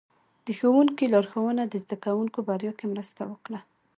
د ښوونکي لارښوونه د زده کوونکو بریا کې مرسته وکړه.